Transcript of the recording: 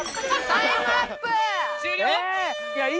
タイムアップ。